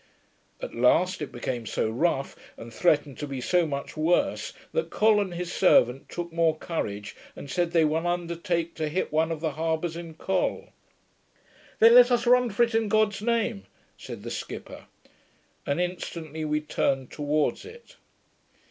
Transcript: At last it became so rough, and threatened to be so much worse, that Col and his servant took more courage, and said they would undertake to hit one of the harbours in Col. 'Then let us run for it in God's name,' said the skipper; and instantly we turned towards it.